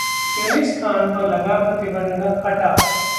यूनिस खान पर लगा प्रतिबंध हटा